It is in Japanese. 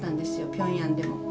ピョンヤンでも。